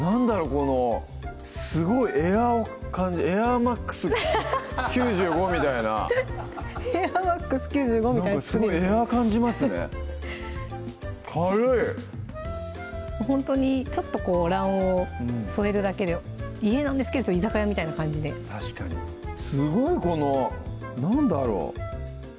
このすごいエアを感じ「エアマックス９５」みたいな「エアマックス９５」みたいなすごいエア感じますね軽いほんとにちょっと卵黄添えるだけで家なんですけど居酒屋みたいな感じで確かにすごいこの何だろう？